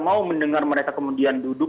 mau mendengar mereka kemudian duduk